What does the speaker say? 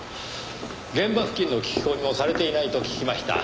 現場付近の聞き込みもされていないと聞きました。